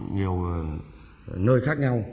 nhiều nơi khác nhau